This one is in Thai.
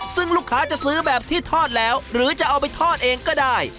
ซึ่งลูกค้าจะซื้อแบบที่ทอดแล้วหรือจะเอาไปทอดเองก็ได้